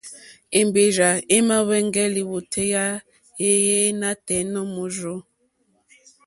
Èmbèrzà èmàáhwɛ́ŋgɛ́ lìwòtéyá éèyé nǎtɛ̀ɛ̀ nǒ mòrzô.